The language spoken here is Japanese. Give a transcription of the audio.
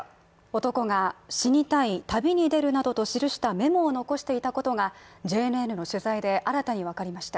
男が死にたい旅に出るなどと記したメモを残していたことが、ＪＮＮの取材で新たにわかりました。